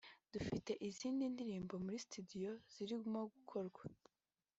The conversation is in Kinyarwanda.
dufite izindi ndirimbo muri studio zirimo gukorwa